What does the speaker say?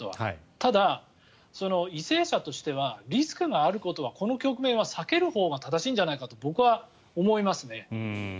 ただ、為政者としてはリスクがあることはこの局面は避けるほうが正しいんじゃないかと僕は思いますね。